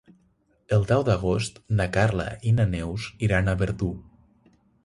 El deu d'agost na Carla i na Neus iran a Verdú.